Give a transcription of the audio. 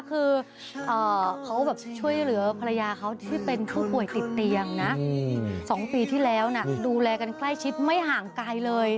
คือเขาแบบช่วยเหลือภรรยาเขาที่เป็นผู้ป่วยติดเตียงนะ๒ปีที่แล้วนะดูแลกันใกล้ชิดไม่ห่างไกลเลย